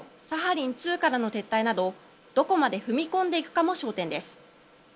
サハリン２からの撤退などどこまで踏み込んでいくかも焦点です。